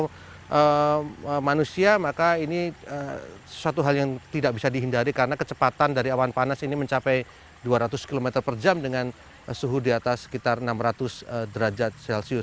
kalau manusia maka ini sesuatu hal yang tidak bisa dihindari karena kecepatan dari awan panas ini mencapai dua ratus km per jam dengan suhu di atas sekitar enam ratus derajat celcius